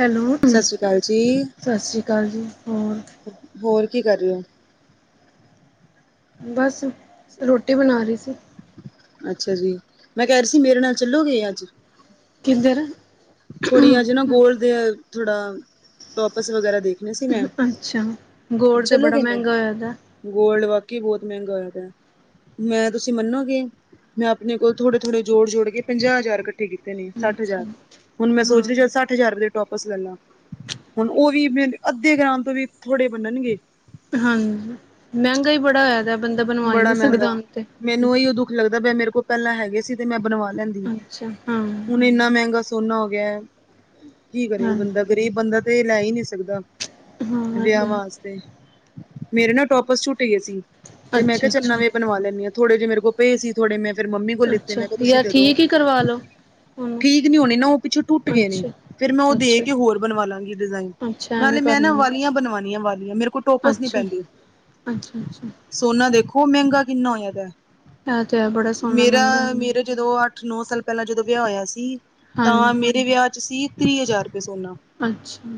Hello, Sat Sri ਅਕਾਲ ਜੀ, ਸਤਿ ਸ਼੍ਰੀ ਅਕਾਲ ਜੀ। ਹੋਰ ਹੋਰ ਕੀ ਕਰ ਰਹੇ ਹੋ? ਬਸ, ਰੋਟੀ ਬਣਾ ਰਹੀ ਸੀ। ਅੱਛਾ ਜੀ, ਮੈਂ ਕਹਿ ਰਹੀ ਸੀ, ਮੇਰੇ ਨਾਲ ਚੱਲੋਗੇ ਅੱਜ? ਕਿੱਧਰ? ਥੋੜੀ ਅੱਜ ਨਾ, ਗੋਲਡ ਦੇ, ਥੋੜਾ ਟੋਪਸ ਵਗੈਰਾ ਦੇਖ ਅੱਛਾ, ਗੋਲਡ ਤੇ ਬੜਾ ਚਲੋਗੇ ਮੈਂ? ਮਹਿੰਗਾ ਹੋਇਆ ਦਾ। ਗੋਲਡ ਵਾਕਈ ਬਹੁਤ ਮਹਿੰਗਾ ਹੋਇਆ ਪਿਆ। ਮੈਂ ਤੁਸੀਂ ਮੰਨੋਗੇ। ਮੈਂ ਆਪਣੇ ਕੋਲ ਥੋੜੇ-ਥੋੜ੍ਹੇ, ਜੋੜ- ਜੋੜ ਕੇ ਪੰਜਾਹ ਹਜ਼ਾਰ ਇਕੱਠੇ ਕੀਤੇ। ਨੀ ਨੀ ਸੱਠ ਅੱਛਾ ਹਜ਼ਾਰ। ਹੁਣ ਮੈਂ ਹਾਂ ਸੋਚ ਰ ਅੱਠ ਹਜ਼ਾਰ ਰੁਪਏ ਦੇ ਟੋਪਸ ਲੈ ਲਾ। ਹੁਣ ਉਹ ਵੀ ਮੇਰੇ ਅੱਧੇ ਗ੍ਰਾਮ ਤੋਂ ਵੀ ਥੋੜੇ ਬੰਨਣਗੇ। ਹਾਂਜੀ, ਮਹਿੰਗਾ ਹੀ ਬੜਾ ਹੋਇਆ ਦਾ। ਬੰਦਾ ਬਣਵਾ ਹੀ ਬੜਾ ਨਹੀਂ ਸਕਦਾ ਮਹਿੰਗਾ। ਹੁਣ ਤੇ ਮੈਨੂੰ ਇਹੀ ਉਹ ਦੁੱਖ ਲੱਗਦਾ ਬ ਮੇਰੇ ਕੋਲ ਪਹਿਲਾਂ ਹੈਗੇ ਸੀ ਤੇ ਮੈਂ ਬਣਵਾ ਲੈ ਅੱਛਾ ਹਾਂ ਹੁਣ ਇੰਨਾ ਮਹਿੰਗਾ ਸੋਨਾ ਹੋ ਗਿਆ। ਕੀ ਕਰੇ ਹਾਂ ਬੰਦਾ। ਗ਼ਰੀਬ ਬੰਦਾ ਤੇ ਇਹ ਲੈ ਹੀ ਨੀ ਸਕਦਾ। ਵਿਆਹ ਵਾਸ ਤੇ ਮੇਰੇ ਨਾ ਟੋਪਸ ਛੂਟੇ ਏ ਸੀ। ਤੇ ਮੈਂ ਕਿਹਾ ਅੱਛਾ ਚੱਲ ਅੱਛਾ ਨਵੇ ਬਣਵਾ ਲੈਣੀ ਆ। ਥੋੜੇ ਜਿਹੇ ਮੇਰੇ ਕੋਲ ਪਏ ਸੀ। ਥੋੜੇ ਮੈਂ ਫੇਰ ਮੰਮੀ ਕੋਲ ਲਿੱਤੇ। ਅੱਛਾ ਮੈਂ ਕਿਹਾ, ਤੁਸੀਂ ਯਾਰ ਦੇਦੋ। ਠੀਕ ਹੀ ਕਰਵਾ ਲਓ ਉਹਨੂੰ ਠੀਕ ਨੀ ਹੋਣੇ ਨਾ ਉਹ ਪਿੱਛੋਂ ਟੁੱਟ ਗਏ ਨੇ। ਅੱਛਾ ਫੇਰ ਮੈਂ ਉਹ ਦੇ ਅੱਛਾ ਕੇ ਹੋਰ ਬਣਵਾ ਲਾਂਗੀ ਡਿਜ਼ਾਇਨ। ਅੱਛਾ ਐਵੇਂ ਨਾਲੇ ਕਰ ਮੈਂ ਨਾ ਲੈਣਾ ਵਾਲੀਆਂ ਬਣਵਾਣੀਆਂ ਵਾਲੀਆਂ। ਮੇਰੇ ਕੋਲ ਟੋਪਸ ਨਹੀਂ ਪੈਂਦੇ। ਅੱਛਾ-ਅੱਛਾ। ਸੋਨਾ ਦੇਖੋ, ਮਹਿੰਗਾ ਕਿੰਨਾ ਹੋਇਆ ਦਾ। ਇਹ ਤੇ ਹੈ ਬੜਾ ਸੋਹਣਾ ਮੇਰਾ, ਮਹਿੰਗਾ ਮੇਰਾ ਜਦੋਂ ਅੱਠ ਨੌ ਸਾਲ ਪਹਿਲਾਂ ਜਦੋਂ ਵਿਆਹ ਹੋਇਆ ਸੀ। ਤਾਂ ਹਾਂਜੀ ਮੇਰੇ ਵਿਆਹ ਚ ਸੀ। ਤੀਹ ਹਜ਼ਾਰ ਰੁਪਏ ਸੋਨਾ। ਅੱਛਾ।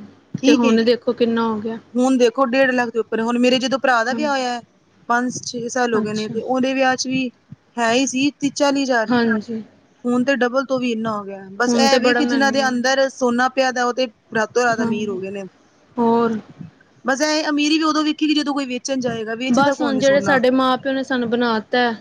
ਤੇ ਠੀਕ ਏ ਹੁਣ ਦੇਖੋ ਕਿੰਨਾ ਹੋ ਗਿਆ। ਹੁਣ ਦੇਖੋ ਡੇਢ ਲੱਖ ਦੇ ਉਪਰ, ਹੁਣ ਮੇਰੇ ਜਦੋਂ ਭਰਾ ਦਾ ਹਾਂ ਵਿਆਹ ਹੋਇਆ। ਪੰਜ-ਛੇ ਸਾਲ ਹੋ ਗਏ ਨੇ ਅੱਛਾ ਤੇ ਉਹਦੇ ਵਿਆਹ ਚ ਵੀ ਹੈ ਹੀ ਸੀ। ਤੀਹ-ਚਾਲੀ ਹਜ਼ਾਰ। ਹਾਂਜੀ ਹੁਣ ਤੇ ਡਬਲ ਤੋਂ ਵੀ ਇੰਨਾ ਹੋ ਗਿਆ। ਬਸ ਹੁਣ ਤੇ ਇਹ ਵੀ ਬੜਾ ਕਿ ਜਿਨਾਂ ਮਹਿੰਗਾ ਦੇ ਅੰਦਰ ਸੋਨਾ ਪਿਆ ਦਾ। ਉਹ ਤੇ ਰਾਤ ਤੋਂ ਰਾਤ ਹਾਂ ਅਮੀਰ ਹੋ ਗਏ ਨੇ। ਹੋਰ ਬਸ ਐ ਅਮੀਰ ਵੀ ਉਦੋਂ ਵੇਖੀ ਕਿ ਜਦੋਂ ਕੋਈ ਵੇਚਣ ਜਾਏਗਾ। ਵੇਚਦਾ ਹਾਂ, ਕੌਣ ਏ ਜਿਹੜੇ ਸੋਨਾ ਸਾਡੇ ਮਾਂ-ਪਿਓ ਨੇ ਸਾਨੂੰ ਬਣਾਤਾਂ।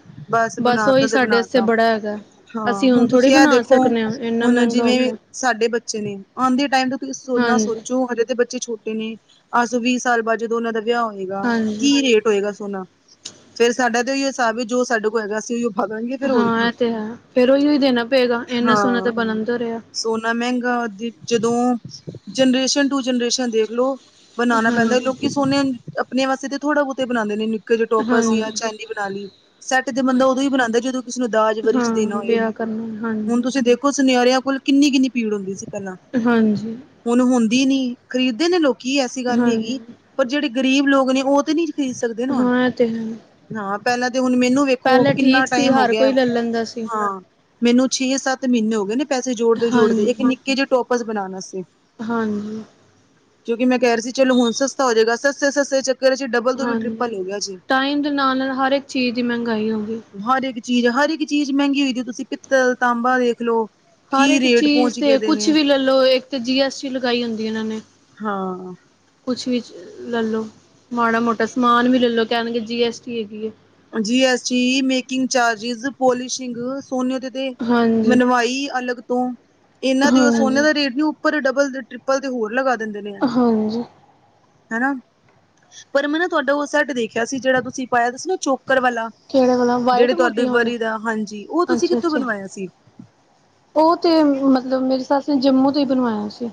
ਬਸ ਬਣਾ ਤਾ ਉਹੀ ਤੇ ਸਾਡੇ ਬਣਾ ਵਾਸਤੇ ਤਾ ਬੜਾ ਹੈਗਾ। ਹਾਂ। ਅਸੀਂ ਹੁਣ ਥੋੜ੍ਹੀ ਤੁਸੀਂ ਇਹ ਬਣਾ ਦੇਖੋ, ਸਕਦੇ ਹਾਂ ਇੰਨਾ ਹੁਣ ਮਹਿੰਗਾ ਹੋ ਜਿਵੇਂ ਗਿਆ ਸਾਡੇ ਬੱਚੇ ਨੇ, ਆਂਦੇ ਟਾਈਮ ਤੋਂ ਸੋਨਾ ਹਾਂਜੀ ਸੋਚੋ ਹਜੇ ਤੇ ਬੱਚੇ ਛੋਟੇ ਨੇ। ਅੱਜ ਤੋਂ ਵੀਹ ਸਾਲ ਬਾਅਦ ਜਦੋਂ ਉਹਨਾਂ ਦਾ ਵਿਆਹ ਹੋਏਗਾ। ਹਾਂਜੀ ਕੀ ਰੇਟ ਹੋਏਗਾ। ਸੋਨਾ ਫੇਰ ਸਾਡਾ ਤਾਂ ਉਹੀ ਹਿਸਾਬ ਹੀ ਜੋ ਸਾਡੇ ਕੋਲ ਹੈਗਾ ਸੀ। ਉ ਹਾਂ। ਇਹ ਤੇ ਹੈ। ਫੇਰ ਉਹੀਓ ਦੇਣਾ ਪਏਗਾ। ਇੰਨਾ ਸੋਨਾ ਹਾਂ ਤਾਂ ਬਣਨ ਤੋਂ ਰਿਹਾ। ਸੋਨਾ ਮਹਿੰਗਾ, ਜਦੋਂ ਜਨਰੇਸ਼ਨ ਟੂ ਜਨਰੇਸ਼ਨ ਦੇਖ ਲਓ। ਬਣਾਣਾ ਪੈਂਦਾ। ਹਾਂਜੀ ਲੋਕੀ ਸੋਨੇ ਆਪਣੇ ਵਾਸਤੇ ਤੇ ਥੋੜਾ- ਬਹੁਤੇ ਬਣਾਂਦੇ ਨੇ। ਜੇ ਟੋਪਾ ਜਾਂ ਹਾਂਜੀ ਚੈਨੀ ਬਣਾ ਲਈ। ਸੈੱਟ ਤੇ ਬੰਦਾ ਉਦੋਂ ਹੀ ਬਣਾਦਾ। ਜਦੋਂ ਕਿਸੇ ਨੂੰ ਦਾਜ- ਵਰੀ ਹਾਂ ਚ ਦੇਣਾ ਹੋਏ। ਵਿਆਹ ਕਰਨਾ ਹੁਣ ਹਾਂਜੀ ਤੁਸੀਂ ਦੇਖੋ, ਸੁਨਿਆਰਿਆਂ ਕੋਲ ਕਿੰਨੀ-ਕਿੰਨੀ ਭੀੜ ਹੁੰਦੀ ਸੀ। ਪਹਿਲਾਂ ਹਾਂਜੀ। ਹੁਣ ਹੁੰਦੀ ਨੀ। ਖ਼ਰੀਦਦੇ ਨੇ ਲੋਕੀ ਐਸੀ ਗੱਲ ਨੀ ਹੈਗੀ। ਹਾਂਜੀ ਪਰ ਜਿਹੜੇ ਗ਼ਰੀਬ ਲੋਕ ਨੇ ਉਹ ਤੇ ਨੀ ਹਾਂ ਇਹ ਤੇ ਹੈ। ਹਾਂ, ਪਹਿਲਾਂ ਤੇ ਹੁਣ ਮੈਨੂੰ ਵੇਖੋ, ਪਹਿਲੇ ਕਿੰਨਾ ਠੀਕ ਸੀ ਟਾਈਮ ਹੋ ਹਰ ਗਿਆ। ਕੋਈ ਲੈ ਲੈਂਦਾ ਸੀ। ਹਾਂ। ਮੈਨੂੰ ਛੇ-ਸੱਤ ਮਹੀਨੇ ਹੋ ਗਏ ਨੇ ਪੈਸੇ ਜੋੜਦੇ-ਜੋੜਦੇ ਇੱਕ ਹਾਂਜੀ, ਨਿੱਕੇ ਜਿਹੇ ਟੋਪਸ ਬਣਾਣ ਵਾਸਤੇ। ਹਾਂਜੀ। ਕਿਉਂਕਿ ਮੈਂ ਕਹਿ ਰਿਹਾ ਸੀ ਚਲੋ ਹੁਣ ਸਸਤਾ ਹੋ ਜਾਏਗਾ। ਸਸਤੇ ਸਸਤੇ ਚੱਕਰ ਚ ਡਬਲ ਤੋਂ ਵੀ ਹਾਂਜੀ। ਟ੍ਰਿਪਲ ਹੋ ਗਿਆ। ਜੀ ਟਾਈਮ ਦੇ ਨਾਲ-ਨਾਲ ਹਰ ਇੱਕ ਚੀਜ਼ ਦੀ ਮਹਿੰਗਾਈ ਹੋ ਗਈ। ਹਰ ਇੱਕ ਚੀਜ਼, ਹਰ ਇੱਕ ਚੀਜ਼ ਮਹਿੰਗੀ ਹੋਈ ਦੀ। ਤੁਸੀਂ ਪਿੱਤਲ, ਤਾਂਬਾ ਦੇਖ ਲੋ। ਹਰ ਇੱਕ ਚੀਜ਼ ਤੇ ਕੁਛ ਵੀ ਲੈਲੋ। ਇੱਕ ਤੇ ਜੀ ਐਸ ਟੀ ਲਗਾਈ ਹੁੰਦੀ ਇਹਨਾਂ ਨੇ। ਹਾਂ। ਕੁਛ ਵੀ ਲੈ ਲਉ। ਮਾੜਾ- ਮੋਟਾ ਸਮਾਨ ਵੀ ਲੈ ਲਓ। ਕਹਿਣਗੇ ਜੀ ਐੱਸ ਟੀ ਹੈਗੀ ਹੈ। ਜੀ ਐਸ ਜੀ, ਮੇਕਿੰਗ ਚਾਰਜਿਸ, ਪੋਲਿਸ਼ਿੰਗ ਸੋਨਓ ਤੇ ਤੇ ਹਾਂਜੀ, ਮਨਵਾਈ ਅਲੱਗ ਤੋਂ, ਇਹਨਾਂ ਦੇ ਉਹ ਸੋਨੇ ਹਾਂਜੀ, ਦਾ ਰੇਟ ਨੀ। ਉੱਪਰ ਡਬਲ ਤੇ ਟ੍ਰਿਪਲ ਤੇ ਹੋਰ ਲਗਾ ਦਿੰਦੇ ਨੇ ਹਨ। ਹਾਂਜੀ ਹਨਾ, ਪਰ ਮੈਂ ਨਾ ਤੁਹਾਡਾ ਉਹ ਸੈੱਟ ਦੇਖਿਆ ਸੀ ਜਿਹੜਾ ਤੁਸੀਂ ਪਾਇਆ ਸੀ ਨਾ ਚੌਂਕ ਕਿਹੜੇ ਵਾਲਾ ਕਿਹੜੇ ਵਾਲਾ ਵਾਈਟ ਜਿਹੜੇ ਤੁਹਾਡੇ ਮੋਤੀਆਂ ਵਾਲਾ ਵਰੀ ਦਾ, ਹਾਂਜੀ। ਉਹ ਤੁਸੀਂ ਅੱਛਾ, ਕਿੱਥੋਂ ਅੱਛਾ ਬਣਵਾਇਆ ਸੀ। ਉਹ ਤੇ ਮਤਲਬ ਮੇਰੀ ਸੱਸ ਨੇ ਜੰਮੂ ਤੋਂ ਹੀ ਬਣਵਾਇਆ ਸੀ।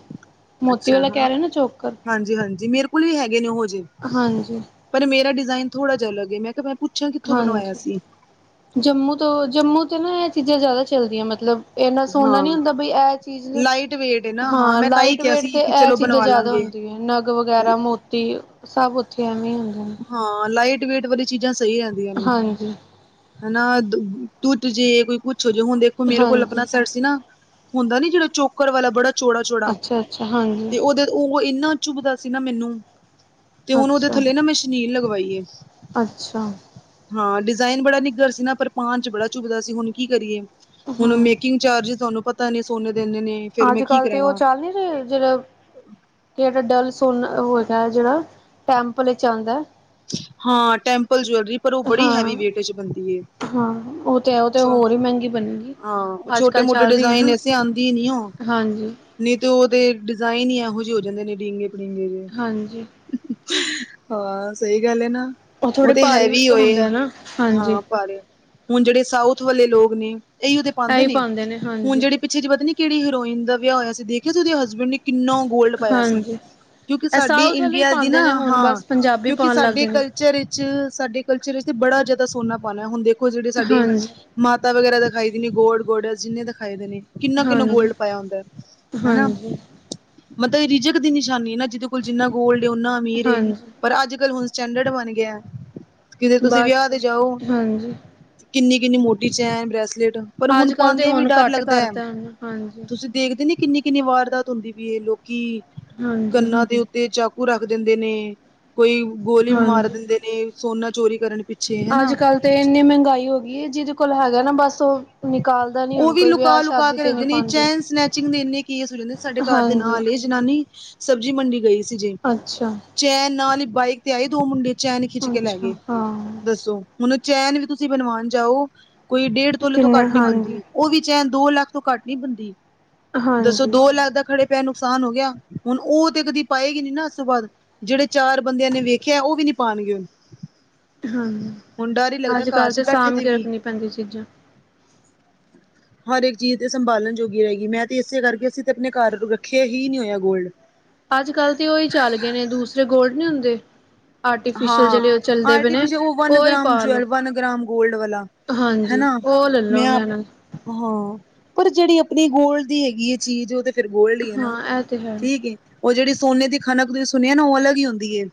ਮੋਤੀ ਅੱਛਾ। ਵਾਲਾ ਹਾਂ, ਕਹਿ ਰਹੇ ਨਾ ਚੋਕਰ ਹਾਂਜੀ ਹਾਂਜੀ ਮੇਰੇ ਕੋਲ ਵੀ ਹੈਗੇ ਨੇ ਉਹੋ ਜਿਹੇ ਹਾਂਜੀ, ਪਰ ਮੇਰਾ ਡਿਜ਼ਾਇਨ ਥੋੜਾ ਜਿਹੜੇ ਅੱਲਗ ਐ ਮੈ ਕਿਹਾ ਮੈ ਪੁਛ ਹਾਂਜੀ। ਜੰਮੂ ਤੋਂ, ਜੰਮੂ ਤੇ ਨਾ ਇਹ ਚੀਜ਼ਾਂ ਜ਼ਿਆਦਾ ਚੱਲਦੀਆਂ। ਮਤਲਬ ਇੰਨਾ ਸੋਹਨਾ ਹਾਂ ਨੀ ਹੁੰਦਾ ਬਈ ਇਹ ਚੀਜ਼, ਲਾਈਟ ਵੇਟ ਏ ਨਾ ਹਾਂ ਮੈਂ ਤਾਂ ਹੀ ਲਾਈਟ ਕਿਹਾ ਵੇਟ ਸੀ ਤੇ ਕਿ ਇਹ ਚਲੋ ਚੀਜ਼ਾਂ ਬਣਵਾ ਜ਼ਿਆਦਾ ਲਾਂਗੇ ਹੁੰਦੀਆਂ। ਨਗ ਵਗੈਰਾ ਮੋਤੀ ਸਭ ਉੱਥੇ ਐਵੇਂ ਹੁੰਦੇ ਨੇ। ਹਾਂ, ਲਾਈਟ ਵੇਟ ਵਾਲੀ ਚੀਜ਼ਾਂ ਸਹੀ ਰਹਿੰਦੀਆਂ ਨੇ। ਹਾਂਜੀ, ਹਨਾ ਟੁੱਟ ਜੇ, ਕੋਈ ਕੁਛੋ ਜੇ ਹੁਣ ਦੇਖੋ, ਮੇਰੇ ਕੋਲ ਆਪਣਾ ਹਾਂਜੀ। ਸੈਟ ਸੀ ਨਾ। ਹੁੰਦਾ ਨੀ ਜਿਹੜਾ ਚੋਕਰ ਵਾਲਾ, ਬੜਾ ਚੌੜਾ ਚੌੜਾ ਅੱਛਾ-ਅੱਛਾ ਹਾਂਜੀ, ਤੇ ਉਹਦੇ ਉਹ ਇੰਨਾ ਚੁਬਦਾ ਸੀ ਨਾ ਮੈਨੂੰ। ਤੇ ਉਹਨੂੰ ਉਹਦੇ ਥੱਲੇ ਨਾ ਮੈਂ ਸ਼ਨੀਲ ਲਗਵਾਈ। ਅੱਛਾ। ਹਾਂ ਡਿਜ਼ਾਇਨ ਬੜਾ ਨਿੱਘਰ ਸੀ ਨਾ ਪਰ ਪਾਨ ਚ ਬੜਾ ਚੁਬਦਾ ਸੀ ਹੁਣ ਕੀ ਕਰੀਏ। ਹੁਣ ਹਾਂ। ਮੇਕਿੰਗ ਚਾਰਜ ਤੁਹਾਨੂੰ ਪਤਾ ਨੀ ਸੋਨੇ ਦੇ ਅਨੇ ਨੇ। ਫੇਰ ਮੈਂ ਅੱਜ ਕੀ ਕੱਲ ਤੇ ਉਹ ਕਰਾਵਾਂ। ਚੱਲ ਨੀ ਰਹੇ। ਜਿਹੜਾ, ਕਿੜਾ ਡਲ ਸੋਨ ਉਹ ਹੈਗਾ। ਜਿਹੜਾ ਟੈਂਪਲ ਵਿੱਚ ਆਉਂਦਾ ਹੈ। ਹਾਂ ਟੈਂਪਲ ਜੂਲਰੀ ਪਰ ਉਹ ਬੜੀ ਹੈਵੀ ਹਾਂ ਵੇਟ ਚ ਬਣਦੀ ਏ ਹਾਂ ਉਹ ਤੇ ਹੈ ਉਹ ਤੇ ਅੱਛਾ। ਹੋਰ ਹੀ ਮਹਿੰਗੀ ਬਣੇਗੀ ਹਾ ਉਹ ਅੱਜ ਛੋਟੇ ਕੱਲ੍ਹ ਮੋਟੇ ਚੱਲ ਰਹੀ ਹੈ ਡਿਜਾਇਨ ਨਾ ਐਸੇ ਆਉਂਦੀ ਨੀ ਓਹ ਹਾਂਜੀ ਨਹੀਂ ਤੇ, ਉਹਦੇ ਡਿਜ਼ਾਇਨ ਹੀ ਇਹੋ ਜਿਹੇ ਹੋ ਜਾਂਦੇ ਨੇ ਡਿਗੇ ਪੜਿੰਗੇ ਜ ਹਾਂਜੀ ਹਾਂ, ਸਹੀ ਗੱਲ ਹੈ ਨਾ। ਉਹ ਥੋੜੇ ਤੇ ਭਾਰੀ ਹੈਵੀ ਹੋਏ ਹੁੰਦਾ ਨਾ ਹਾਂਜੀ ਹਾਂ, ਭਾਰੇ, ਹੁਣ ਜਿਹੜੇ ਸਾਊਥ ਵਾਲੇ ਲੋਕ ਨੇ ਇਹੀਓ ਤੇ ਪਾਉਂਦੇ ਨੇ, ਹੁਣ ਜਿਹੜੇ ਪਿੱਛੇ ਜ ਪਤਾ ਨੀ ਕਿਹੜੀ ਹੀਰੋਇਨ ਦਾ ਵਿਆਹ ਹੋਇਆ ਸੀ। ਦੇਖਿਆ ਤੇ ਉਹਦੇ ਹਸਬੈਂਡ ਨੇ ਕਿੰਨਾ ਗੋਲਡ ਪਾਇਆ ਸੀ। ਹਾਂਜੀ ਕਿਉਂਕਿ ਇਹ ਸਾਡੀ ਸਾਊਥ ਵਾਲੇ ਹੀ ਇੰਡੀਆ ਦੀ ਨਾ ਪਾਉਂਦੇ ਨੇ ਹੁਣ ਹਾਂ। ਬਸ ਪੰਜਾਬੀ ਕਿ ਪਾਉਣ ਲੱਗ ਸਾਡੇ ਗਏ ਨੇ ਕੱਲਚਰ ਵਿੱਚ, ਸਾਡੇ ਕੱਲਚਰ ਵਿੱਚ ਬੜਾ ਜ਼ਿਆਦਾ ਸੋਨਾ ਪਾਉਣਾ। ਹੁਣ ਦੇਖੋ, ਜਿਹੜੇ ਸਾਡੇ ਹਾਂਜੀ ਮਾਤਾ ਵਗੈਰਾ ਦਿਖਾਈ ਦੀ ਨੇ ਗੋਡ ਗੋਡਸ ਜਿੰਨੇ ਦਿਖਾਈ ਦੇ ਨੇ। ਕਿੰਨਾ ਕਿੰਨਾ ਗੋਲਡ ਹਾਂਜੀ ਪਾਇਆ ਹੁੰਦਾ ਹੈ। ਹਨਾ। ਹਾਂਜੀ ਮਤਲਬ ਰਿਜਕ ਦੀ ਨਿਸ਼ਾਨੀ ਹੈ ਨਾ, ਜਿਹਦੇ ਕੋਲ ਜਿੰਨਾ ਗੋਲਡ ਓਨਾ ਅਮੀਰ ਏ। ਹਾਂਜੀ ਪਰ ਅੱਜ ਕੱਲ੍ਹ ਹੁਣ ਸਟੈਂਡਰਡ ਬਣ ਗਿਆ ਕਿਤੇ ਤੁਸੀਂ ਬਸ ਵਿਆਹ ਤੇ ਜਾਓ। ਹਾਂਜੀ ਕਿੰਨੀ ਕਿੰਨੀ ਮੋਟੀ ਚੈਨ, ਬ੍ਰੈਸਲੇਟ ਪਰ ਹੁਣ ਅੱਜ ਕੱਲ੍ਹ ਤੇ ਪਾਉਂਦਿਆਂ ਵੀ ਹੁਣ ਡਰ ਘੱਟ ਲੱਗਦਾ ਹੈ। ਕਰਤਾ ਹਾਂਜੀ ਤੁਸੀਂ ਦੇਖਦੇ ਨੇ ਕਿੰਨੀ ਕਿੰਨੀ ਵਾਰਦਾਤ ਹੁੰਦੀ ਵੀ। ਇਹ ਲੋਕੀ ਹਾਂਜੀ ਕੰਨਾਂ ਦੇ ਤੇ ਚਾਕੂ ਰੱਖ ਦਿੰਦੇ ਨੇ ਕੋਈ ਗੋਲੀ ਮਾਰ ਹਾਂਜੀ ਦਿੰਦੇ ਨੇ ਸੋਨਾ ਚੋਰੀ ਕਰਨ ਪਿੱਛੇ ਅੱਜ ਹਨਾ ਕੱਲ ਤੇ ਇੰਨੀ ਮਹਿੰਗਾਈ ਹੋ ਗਈ ਹੈ। ਜਿਹਦੇ ਕੋਲ ਹੈਗਾ ਨਾ ਬਸ ਉਹ ਨਿਕਾਲਦਾ ਨੀ ਉਹ ਹੁਣ ਵੀ ਕੋਈ ਵਿਆਹ ਲੁਕਾ ਲੁਕਾ ਸ਼ਾਦੀ ਕੇ ਤੇ ਨਹੀਂ ਰੱਖਦੇ ਨੇ। ਪਾਉਂਦੇ ਚੈਨ ਸਨੈਚਿੰਗ ਦੇ ਇੰਨੇ ਕੇਸ ਹੋ ਜਾਂਦੇ ਸਾਡੇ ਘਰ ਦੇ ਹਾਂਜੀ ਨਾਲ ਇਹ ਜਨਾਨੀ ਸਬਜ਼ੀ ਮੰਡੀ ਗਈ ਸੀ ਜੇ। ਅੱਛਾ ਚੈਨ ਨਾਲ ਹੀ ਬਾਈਕ ਤੇ ਆਈ ਦੋ ਮੁੰਡੇ ਚੈਨ ਖਿੱਚ ਕੇ ਲੈ ਅੱਛਾ ਗਏ ਹਾਂ ਦੱਸੋ। ਹੁਨੂੰ ਚੈਨ ਵੀ ਤੁਸੀਂ ਬਣਵਾਉਣ ਜਾਓ। ਕੋਈ ਡੇਢ ਤੋਲੇ ਤੋਂ ਕਿੰਨੇ ਘੱਟ ਨੀ ਹਾਂਜੀ ਬਣਦੀ। ਉਹ ਵੀ ਚੈਨ ਦੋ ਲੱਖ ਤੋਂ ਘੱਟ ਨਹੀਂ ਬਣਦੀ। ਦੱਸੋ, ਹਾਂਜੀ ਦੋ ਲੱਖ ਦਾ ਖੜੇ ਪਿਆ ਨੁਕਸਾਨ ਹੋ ਗਿਆ, ਹੁਣ ਉਹ ਤੇ ਕਦੀ ਪਾਏਗੀ ਨੀ ਨਾ ਉਸ ਤੋਂ ਬਾਅਦ ਜਿਹੜੇ ਚਾਰ ਬੰਦਿਆਂ ਨੇ ਵੇਖਿਆ ਉਹ ਵੀ ਨੀ ਪਾਉਣਗੇ ਹੂਣ ਹਾਂ ਅੱਜ ਕੱਲ੍ਹ ਤਾਂ ਬੈਠੇ ਸਾਂਭ ਤੇ ਕੇ ਵੀ ਰੱਖਣੀ ਪੈਂਦੀਆਂ ਚੀਜ਼ਾਂ। ਹਰ ਇੱਕ ਚੀਜ਼ ਤੇ ਸੰਭਾਲਣ ਜੋਗੀ ਰਹੇ ਗੀ। ਮੈਂ ਤੇ ਇਸੇ ਕਰਕੇ ਅਸੀਂ ਤੇ ਆਪਣੇ ਘਰ ਰੱਖਿਆ ਹੀ ਨਹੀਂ ਹੋਇਆ ਗੋਲਡ। ਅੱਜ ਕੱਲ੍ਹ ਤੇ ਉਹੀ ਚੱਲ ਗਏ ਨੇ, ਦੂਸਰੇ ਗੋਲਡ ਨੀ ਹੁੰਦੇ। ਆਰਟੀਫਿਸ਼ਲ ਹਾਂ ਜਿਹੜੇ ਉਹ ਚੱਲਦੇ ਪ ਨੇ ਆਰਟੀਫਿਸ਼ਲ ਉਹ ਵਨ ਉਹਹੀ ਗ੍ਰਾਮ ਪਾ ਲੋ। ਜਵੈਲ ਵਨ ਗ੍ਰਾਮ ਗੋਲਡ ਵਾਲਾ ਹਾਂਜੀ ਹਨਾ ਉਹ ਲੈ ਲੋ ਮੈਂ ਆਪ ਲੈਣਾ। ਹਾਂ, ਪਰ ਜਿਹੜੀ ਆਪਣੀ ਗੋਲਡ ਦੀ ਹੈਗੀ ਐ ਚੀਜ਼ ਓ ਤੇ ਫਿਰ ਗੋਲਡ ਹੀ ਹੈ ਨਾ, ਹਾਂ ਇਹ ਤੇ ਹੈ ਠੀਕ ਏ। ਉਹ ਜਿਹੜੀ ਸੋਨੇ ਦੀ ਖਣਕ ਤੁਸੀਂ ਸੁਣਿਆ ਨਾ ਓ ਅਲਗ ਹੀ ਹੁੰਦੀ ਏ।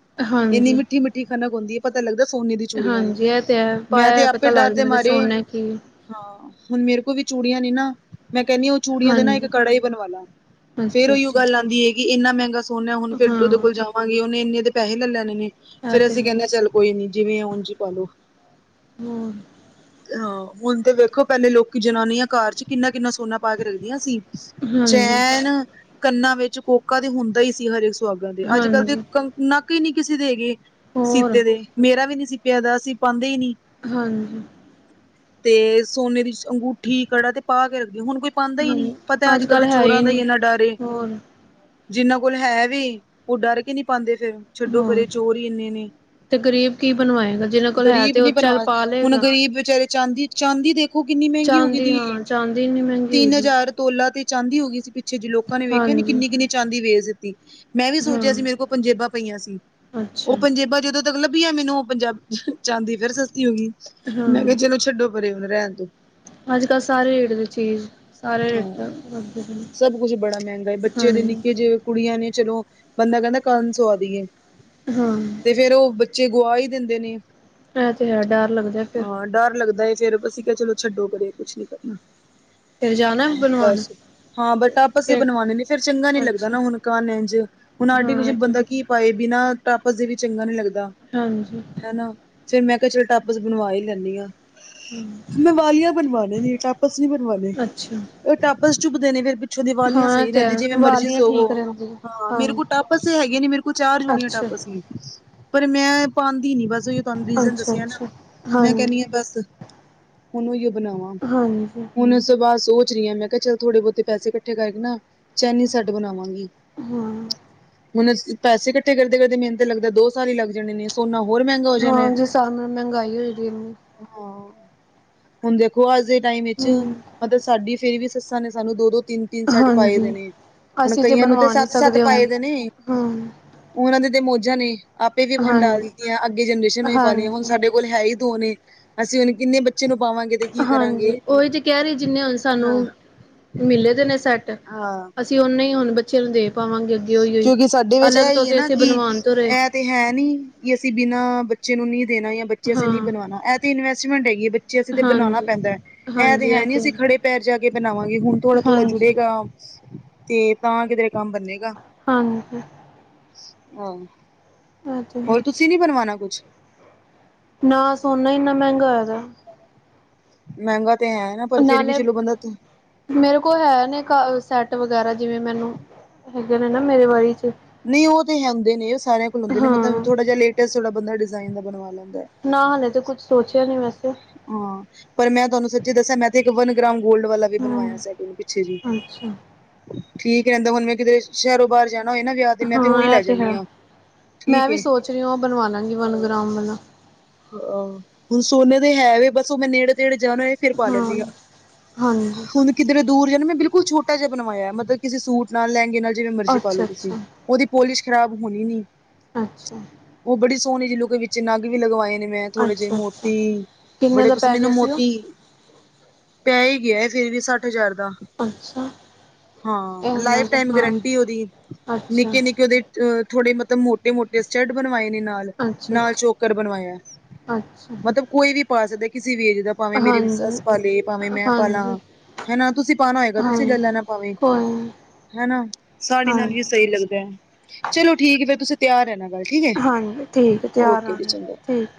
ਇੰਨੀ ਹਾਂਜੀ ਮਿੱਠੀ -ਮਿੱਠੀ ਖਣਕ ਹੁੰਦੀ ਏ। ਪਤਾ ਲੱਗਦਾ ਸੋਨੇ ਦੀ ਚੂੜੀਆਂ ਨੇ। ਹਾਂਜੀ ਇਹ ਤੇ ਹੈ ਮੈਂ ਤੇ ਪਾਇਆ ਆਪੇ ਪਤਾ ਡਰ ਲੱਗ ਦੇ ਜਾਂਦਾ ਮਾਰੇ ਸੋਨਾ ਕੀ ਹਾਂ, ਹੁਨ ਮੇਰੇ ਕੋਲ ਵੀ ਚੂੜੀਆਂ ਨੀ ਨਾ ਮੈਂ ਕਹਿੰਨੀ ਚੂੜੀਆਂ ਦੇ ਨਾ ਇੱਕ ਹਾਂਜੀ ਕੜਾ ਹੀ ਬਣਵਾ ਲਾ। ਫੇਰ ਅੱਛਾ ਉਹੀਓ ਅੱਛਾ ਗੱਲ ਆਉਂਦੀ ਹੈ। ਕਿ ਇੰਨਾ ਮਹਿੰਗਾ ਹੁਨ ਐ, ਹੁਨ ਫੇਰ ਉਹਦੇ ਹਾਂ ਕੋਲ ਜਾਵਾਂਗੀ, ਓਨੇ ਏਨੇ ਪੈਹੇ ਲੈ ਲੈਣੇ ਨੇ ਇਹ ਫੇਰ ਤੇ ਅਸੀਂ ਹੈ ਕਹਿੰਨੇ ਚੱਲ ਕੋਈ ਨੀ, ਜਿਵੇਂ ਐ ਓਂਝ ਈ ਪਾ ਲੋ। ਹਾਂ। ਹਾਂ ਹੁਨ ਤੇ ਵੇਖੋ ਪਹਿਲੇ ਲੋਕੀ ਜਨਾਨੀਆਂ ਘਰ ਚ ਕਿੰਨਾ-ਕਿੰਨਾ ਸੋਨਾ ਪਾ ਕੇ ਰੱਖਦੀਆਂ ਸੀ। ਹਾਂਜੀ ਚੈਨ, ਕੰਨਾਂ ਵਿੱਚ ਕੋਕਾ ਤੇ ਹੁੰਦਾ ਹੀ ਸੀ ਹਰੇਕ ਸੁਹਾਗਾਂ ਦੇ, ਅੱਜ ਕੱਲ ਦੇ ਹਾਂਜੀ ਨੱਕ ਹੀ ਨੀ ਕਿਸੇ ਦੇ ਹੈਗੇ ਹੋਰ ਸੀਤੇ ਦੇ, ਮੇਰਾ ਵੀ ਨੀ ਸੀ ਤਯਾਦਾ ਅਸੀਂ ਪਾਂ ਦੇ ਹੀ ਨੀ। ਹਾਂਜੀ। ਤੇ ਸੋਨੇ ਦੀ ਅੰਗੂਠੀ, ਕੜਾ ਤੇ ਪਾ ਕੇ ਰੱਖਦੀ ਹੁਨ ਕੋਈ ਪਾਂਦਾ ਈ ਨਹੀਂ, ਹਾਂਜੀ ਪਤਾ ਅੱਜ ਕੱਲ ਦੇ ਕੱਲ੍ਹ ਹੈ ਚੋਰਾਂ ਹੀ ਦਾਈ ਨਹੀਂ ਇੰਨਾ ਡਰ ਏ। ਹੋਰ ਜਿੰਨਾਂ ਕੋਲ ਹੈ ਵੀ, ਓ ਡਰ ਕੇ ਨਹੀਂ ਪਾਂਦੇ ਫੇਰ ਛੱਡੋ ਪਰੇ ਹੋਰ ਚੋਰ ਹੀ ਇੰਨੇ ਨੇ। ਤੇ ਗ਼ਰੀਬ ਕੀ ਬਣਵਾਏਗਾ ਜਿਹਨਾਂ ਕੋਲ ਹੈ ਗਰੀਬ ਤੇ ਉਹ ਨੀ ਚੱਲ ਬਨਵਾ, ਪਾ ਹੁਨ ਲਏਗਾ ਗ਼ਰੀਬ ਵਿਚਾਰੇ ਚਾਂਦੀ ਚਾਂਦੀ ਦੇਖੋ ਕਿੰਨੀ ਮਹਿੰਗੀ ਹੋ ਗਈ ਚਾਂਦੀ ਦੀ ਏ, ਹਾਂ ਚਾਂਦੀ ਇੰਨੀ ਮਹਿੰਗੀ ਹੋਈ ਤਿੰਨ ਦੀ ਹਜ਼ਾਰ ਤੋਲਾ ਤੇ ਚਾਂਦੀ ਹੋ ਗਈ ਸੀ ਪਿੱਛੇ ਜੇ ਲੋਕਾਂ ਨੇ ਵੇਖਿਆ ਨੀ ਹਾਂਜੀ ਕਿੰਨੀ ਕਿੰਨੀ ਚਾਂਦੀ ਵੇਚ ਦਿੱਤੀ। ਮੈਂ ਵੀ ਸੋਚਿਆ ਹਾਂ ਸੀ ਮੇਰੇ ਕੋਲ ਪੰਜੇਬਾਂ ਪਈਆਂ ਸੀ। ਅੱਛਾ ਉਹ ਪੰਜੇਬਾਂ ਜਦੋਂ ਤੱਕ ਲੱਭੀਆਂ ਮੈਨੂੰ ਉਹ ਪੰਜਾਬ ਚਾਂਦੀ ਫੇਰ ਸਸਤੀ ਹੋ ਗਈ ਹਾਂ ਮੈਂ ਕਿਹਾ ਚਲੋ ਛੱਡੋ। ਪਰੇ ਹੁਨ ਰਹਿਣ ਦੇ। ਅੱਜ ਕੱਲ੍ਹ ਸਾਰੇ ਰੇੜ ਦੇ ਚੀਜ਼ ਸਾਰੇ ਰੇਟ ਹਾਂ, ਵੱਧਦੇ ਪਏ ਨੇ ਸਭ ਕੁਛ ਬੜਾ ਮਹਿੰਗਾ, ਬੱਚੇ ਦੇ ਹਾਂਜੀ ਨਿੱਕੇ ਜੇ ਕੁੜੀਆਂ ਨੇ ਚਲੋ ਬੰਦਾ ਕਹਿੰਦਾ ਕੰਨ ਸਵਾ ਦੀਏ। ਹਾਂ। ਤੇ ਫਿਰ ਉਹ ਬੱਚੇ ਗੁਆ ਹੀ ਦੇਂਦੇ ਨੇ। ਐ ਤੇ ਹੈ ਡਰ ਲੱਗਦਾ ਫੇਰ। ਹਾਂ ਡਰ ਲੱਗਦਾ ਏ ਫੇਰ ਅਸੀਂ ਕਿਹਾ ਚਲੋ ਛੱਡੋ ਪਰੇ, ਕੁੱਛ ਨੀ ਕਰਨਾ। ਬਨਵਾਨ ਬਸ ਹਾਂ ਬਟ ਟਾਪਸ ਹੀ ਬਨਵਾਨੇ ਨੇ, ਫੇਰ ਚੰਗਾ ਨੀ ਲੱਗਦਾ ਅੱਛਾ ਨਾ ਹੁਨ ਕੰਨ ਇੰਜ ਹੁਨ ਹਾਂ ਆਰਟੀਫਿਸ਼ਲ ਤੇ ਬੰਦਾ ਕੀ ਪਾਏ ਬਿਨਾਂ ਟਾਪਸ ਦੇ ਵੀ ਚੰਗਾ ਨਹੀਂ ਲੱਗਦਾ। ਹਾਂਜੀ। ਹੈ ਨਾ ਫੇਰ ਮੈਂ ਕਯਾ ਚੱਲ ਟਾਪਸ ਬਨਵਾ ਹੀ ਲੈਂਨੀ ਆਂ। ਹੁਨ ਮੈਂ ਵਾਲੀਆਂ ਬਨਵਾਨੇ ਨੇ ਟਾਪਸ ਨੀ ਬਨਵਾਨੇ। ਅੱਛਾ ਉਹ ਟਾਪਸ ਚੁਭਦੇ ਨੇ ਫੇਰ ਪਿੱਛੋਂ ਦੀ ਵਾਲੀਆਂ ਹਾਂ ਸਹੀ ਤੇ ਰਹਿੰਦੀ, ਹੈ ਜਿਵੇਂ ਮਰਜ਼ੀ ਵਾਲੀਆਂ ਠੀਕ ਸੋਵੋ। ਰਹਿੰਦੀਆਂ ਹਾਂ ਮੇਰੇ ਕੋਲ ਟਾਪਸ ਹੈਗੇ ਨੇ, ਮੇਰੇ ਕੋਲ ਚਾਰ ਜੋੜੀਆਂ ਅੱਛਾ ਟਾਪਸ ਨੇ। ਪਰ ਮੈਂ ਪਾਂਦੀ ਨੀ ਬਸ ਤੁਹਾਨੂੰ ਰੀਜਨ ਅੱਛਾ ਦੱਸਿਆ ਨਾ, ਅੱਛਾ ਮੈਂ ਹਾਂਜੀ ਕਹਨੀ ਆ ਬਸ। ਹਨ ਓਇਓ ਬਨਾਵਾਂ ਹਾਂਜੀ ਹੁਨ ਉਸ ਤੋ ਬਾਦ ਸੋਚ ਰਹੀ ਆਂ ਮੈਂ ਕਿਹਾ ਚਲ ਥੋੜੇ ਬਹੁਤੇ ਪੈਸੇ ਇਕੱਠੇ ਕਰਕੇ ਨਾ ਚੈਨੀ ਸੈੱਟ ਬਨਾਵਾਂਗੀ। ਹਾਂ। ਹੁਨ ਪੈਸੇ ਇਕੱਠੇ ਕਰਦੇ-ਕਰਦੇ ਮੈਨੂੰ ਤਾਂ ਲੱਗਦਾ ਦੋ ਸਾਲ ਹੀ ਲੱਗ ਜਾਨੇ ਨੇ। ਸੋਨਾ ਹੋਰ ਮਹਿੰਗਾ ਹੋ ਹਾਂ ਜਿਸ ਸਾਬ ਨਾਲ ਮਹਿੰਗਾਈ ਹੋਈ ਦੀ ਇੰਨੀ। ਹਾਂ, ਹੁਨ ਦੇਖੋ ਅੱਜ ਦੇ ਟਾਈਮ ਚ ਹੂੰ ਸਾਡੀ ਫੇਰ ਵੀ ਸੱਸਾਂ ਨੇ ਸਾਨੂੰ ਦੋ-ਦੋ, ਤਿੰਨ-ਤਿੰਨ ਸੈੱਟ ਪਾਏ ਦੇ ਹਾਂਜੀ ਨੇ। ਹੁਨ ਅਸੀਂ ਕਈਆਂ ਨੂੰ ਤੇ ਬਣਵਾ ਨਹੀਂ ਸੱਤ-ਸੱਤ ਸਕਦੇ ਹੁਣ ਪਾਏ ਦੇ ਨੇ। ਹਾਂ ਓਨਾਂ ਦੇ ਤੇ ਮੌਜਾਂ ਨੇ, ਆਪੇ ਵੀ ਹੰਡਾ ਹਾਂਜੀ ਲਈਤੀਆਂ, ਅੱਗੇ ਜਨਰੇਸ਼ਨ ਨੂੰ ਹੀ ਪਾਂ ਲਈਆਂ ਹੁਨ ਹਾਂਜੀ ਸਾਡੇ ਕੋਲ ਹੈ ਹੀ ਦੋ ਨੇ, ਅਸੀਂ ਹੁਨ ਕਿੰਨੇ ਬੱਚੇ ਨੂੰ ਪਾਵਾਂਗੇ। ਤੇ ਕੀ ਕਰਾਂਗੇ ਹਾਂਜੀ ਉਹੀ ਤੇ ਕਹਿ ਰਹੀ ਜਿੰਨੇ ਹੁਣ ਸਾਨੂੰ ਹਾਂ। ਮਿਲੇ ਦੇ ਨੇ ਸੈੱਟ ਹਾਂ ਜੇ ਉਹਨੇ ਹੀ ਹੁਣ ਬੱਚੇ ਨੂੰ ਦੇ ਪਾਵਾਂਗੇ ਅੱਗੇ ਹੋਈ ਹੋਈ ਕਿਉਂਕਿ ਸਾਡੇ ਵਿੱਚ ਅੱਲਗ ਇਹ ਤੋਂ ਹੀ ਹੈ ਤੇ ਨਾ ਅਸੀਂ ਕਿ ਬਣਵਾਨ ਤੁਰੇ ਇਹ ਤੇ ਹੈ ਨੀ ਕਿ ਅਸੀਂ ਬਿਨਾਂ ਬੱਚੇ ਨੂੰ ਨਹੀਂ ਦੇਣਾ ਜਾਂ ਬੱਚੇ ਅਸੀਂ ਹਾਂ ਨਹੀਂ ਬਣਵਾਉਣਾ ਇਹ ਤੇ ਇਨਵੈਸਟਮੈਂਟ ਹੈਗੀ ਹੈ ਬੱਚੇ ਅਸੀਂ ਤੇ ਬਣਾਉਣਾ ਹਾਂਜੀ ਪੈਂਦਾ ਹੈ ਇਹਂ ਤੇ ਹੈ ਨੀ ਅਸੀਂ ਖੜੇ ਪੈਰ ਜਾ ਕੇ ਬਣਾਵਾਂਗੇ ਹੁਣ ਥੋੜਾ -ਥੋੜ੍ਹਾ ਹਾਂਜੀ ਜੁੜੇਗਾ ਤੇ ਤਾਂ ਕਿਧਰੇ ਕੰਮ ਬੰਨੇਗਾ। ਹਾਂਜੀ। ਆਹ, ਇਹ ਤੇ ਹੈ ਹੋਰ ਤੁਸੀਂ ਨੀ ਬਣਵਾਣਾ ਕੁਛ ਨਾ ਸੋਨਾ ਇੰਨਾ ਮਹਿੰਗਾ ਹੋਇਆ ਪਿਆ ਮਹਿੰਗਾ ਤੇ ਹੈ, ਨਾ ਪਰ ਫਿਰ ਵੀ ਨਾਲੇ ਚਲੋ ਬੰਦਾ ਮੇਰੇ ਕੋਲ ਹੈ ਨੇ ਸੈੱਟ ਵਗੈਰਾ। ਜਿਵੇਂ ਮੈਨੂੰ ਹੈਗੇ ਨੇ ਨਾ ਮੇਰੇ ਵਾਰੀ ਚ, ਨਹੀਂ ਉਹ ਤੇ ਹੈ ਹੁੰਦੇ ਉਹ ਸਾਰਿਆ ਕੋਲ ਹੁੰਦੇ ਨੇ ਹਾਂ ਮਤਲਬ ਥੋੜਾ ਜਿਹਾ ਲੇਟੈਸਟਾ ਬੰਦਾ ਡਿਜ਼ਾਇਨ ਦਾ ਬਣਵਾ ਲੈਂਦਾ ਹੈ ਨਾ ਹਾਲੇ ਤਾਂ ਕੁੱਛ ਸੋਚਿਆ ਨ ਵੈਸੇ ਹਾਂ ਪਰ ਮੈਂ ਤੁਹਾਨੂੰ ਸੱਚੀ ਦੱਸਿਆ ਮੈਂ ਇੱਕ ਵਨ ਗ੍ਰਾਮ ਗੋਲਡ ਵਾਲਾ ਵੀ ਹੂੰ ਬਣਵਾਇਆ ਸਾਡੇ ਨੇ ਪਿੱਛੇ ਜੀ ਅੱਛਾ ਠੀਕ ਰਹਿੰਦਾ ਹੁਣ ਮੈਂ ਕਿਤੇ ਸ਼ਹਿਰੋ ਬਾਹਰ ਜਾਣਾ ਹੋਏ ਨਾ ਵਿਆਹ ਤੇ ਮੈਂ ਤੇ ਉਹੀ ਹਾਂ ਲੈ ਇਹ ਜਾਂਦੀ ਹੈ ਹਾਂ ਮੈਂ ਠੀਕ ਵੀ ਸੋਚ ਰਹੀ ਹਾਂ ਉਹ ਬਣਵਾ ਲਾਂਗੀ ਵਨ ਆਹ ਗ੍ਰਾਮ ਵਾਲਾ ਆਹੋ ਹੁਣ ਸੋਨੇ ਤੇ ਹੈ ਵੀ, ਬਸ ਉਹ ਮੈਂ ਨੇੜੇ -ਤੇੜੇ ਜਾਣਾ ਫਿਰ ਪਾ ਲੈਂਦੀ ਹਾਂ, ਹਾਂਜੀ ਹੁਣ ਕਿੱਧਰੇ ਦੂਰ ਜਾਣਾ, ਮੈਂ ਬਿਲਕੁਲ ਛੋਟਾ ਜਿਹਾ ਬਣਵਾਇਆ ਮਤਲਬ ਸੂਟ ਨਾਲ, ਲਹਿੰਗੇ ਨਾਲ ਜਿਵੇਂ ਮਰਜ਼ੀ ਪਾ ਅੱਛਾ ਲੋ ਤੁਸੀਂ ਅੱਛਾ ਉਹਦੀ ਪੋਲਿਸ਼ ਖ਼ਰਾਬ ਹੋਣੀ ਨੀ ਅੱਛਾ ਉਹ ਬੜੀ ਸੋਹਣੀ ਜਿਹੀ ਲੁਕ ਵਿੱਚ ਨੱਗ ਵੀ ਲਗਵਾਏ। ਨੇ ਮੈਂ ਥੋੜੇ ਜਿਹੇ ਅੱਛਾ ਅੱਛਾ ਮੋਤੀ, ਕਿੰਨੇ ਬੜੇ ਦਾ ਪਸੰਦ ਪੈ ਮੈਨੂੰ ਗਿਆ ਸੀ ਉਹ ਮੋਤੀ ਪੈ ਹੀ ਗਿਆ ਫੇਰ ਵੀ ਸੱਠ ਹਜ਼ਾਰ ਅੱਛਾ ਇਹ ਹਾਂ ਉਹਨਾਂ ਲਾਈਫ ਦਾ ਟਾਈਮ ਹਾਂ ਗਰੰਟੀ ਉਹਦੀ ਅੱਛਾ ਨਿੱਕੇ -ਨਿੱਕੇ ਉਹਦੇ। ਅ ਥੋੜ੍ਹੇ ਮਤਲਬ ਮੋਟੇ ਮੋਟੇ ਸਟੈੱਡ ਬਣਵਾਏ ਨੇ ਨਾਲ ਅੱਛਾ- ਨਾਲ ਅੱਛਾ- ਚੋਕਰ ਬਣਵਾਇਆ ਅੱਛਾ। ਮਤਲਬ ਕੋਈ ਵੀ ਪਾ ਸਕਦਾ ਕਿਸੇ ਵੀ ਏਜ ਦਾ ਭਾਵੇਂ ਮੇਰੀ ਹਾਂਜੀ ਸੱਸ ਪਾ ਲੇ ਭਾਵੇਂ ਮੈਂ ਪਾਲਾਂ। ਹਾਂਜੀ ਹਨਾ ਤੁਸੀਂ ਪਾਉਣਾ ਹੋਏਗਾ ਤੁਸੀਂ ਲੈ ਹਾਂਜੀ ਲੈਣਾ ਭਾਵੇਂ ਕੋਈ ਨਹੀਂ ਹਨਾ ਸਾੜੀ ਨਾਲ ਵੀ ਹਾਂਜੀ ਸਹੀ ਲੱਗਦਾ ਹੈ, ਚਲੋ ਠੀਕ ਹੈ ਫਿਰ ਤੁਸੀਂ ਤਿਆਰ ਹੈ ਨਾ। ਗੱਲ ਠੀਕ ਹੈ, ਹਾਂਜੀ ਠੀਕ ਹੈ ਤਿਆਰ ਓਕੇ ਆਉਣਾ ਜਚਿੰਦਰ ਠੀਕ